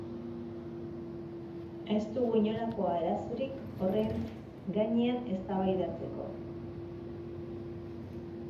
Ez dugu inolako arazorik horren inguruan eztabaidatzeko.